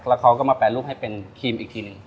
แล้วเขาก็มาแปรรูปให้เป็นครีมอีกทีหนึ่ง